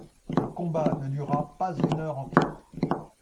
Le combat ne dura pas une heure en tout.